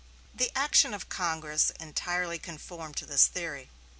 The action of Congress entirely conformed to this theory.